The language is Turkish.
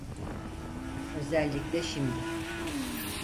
Özellikle şimdi.